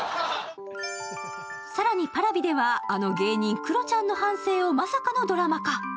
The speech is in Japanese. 更にＰａｒａｖｉではあの芸人クロちゃんの半生をまさかのドラマ化。